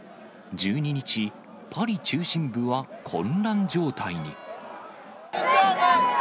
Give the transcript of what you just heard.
１２日、パリ中心部は混乱状態に。